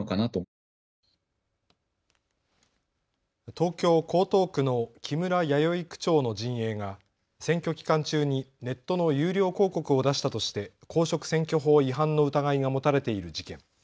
東京江東区の木村弥生区長の陣営が選挙期間中にネットの有料広告を出したとして公職選挙法違反の疑いが持たれている事件。